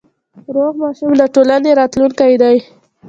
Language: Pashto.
روغ ماشوم د ټولنې راتلونکی دی۔